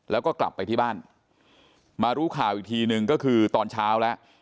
แล้วก็กลับไปที่บ้านมารู้ข่าวอีกทีนึงก็คือตอนเช้าแล้ว